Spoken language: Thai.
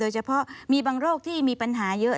เฉพาะมีบางโรคที่มีปัญหาเยอะ